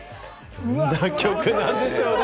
どんな曲なんでしょうね？